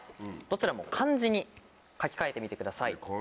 どちらも漢字に書き換えてみてください。